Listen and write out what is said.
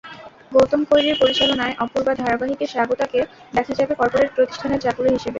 গৌতম কৈরীর পরিচালনায় অপূর্বা ধারাবাহিকে স্বাগতাকে দেখা যাবে করপোরেট প্রতিষ্ঠানের চাকুরে হিসেবে।